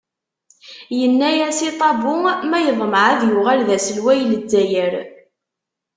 Yenna-yas i Ṭabu ma yeḍmeε ad yuɣal d aselway n Lezzayer?